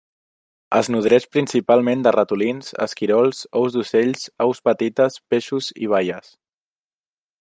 Es nodreix principalment de ratolins, esquirols, ous d'ocells, aus petites, peixos i baies.